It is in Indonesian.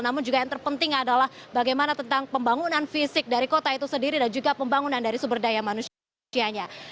namun juga yang terpenting adalah bagaimana tentang pembangunan fisik dari kota itu sendiri dan juga pembangunan dari sumber daya manusianya